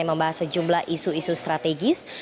membahas sejumlah isu isu strategis